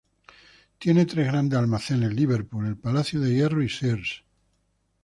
Tiene tres grandes almacenes: Liverpool, El Palacio de Hierro y Sears.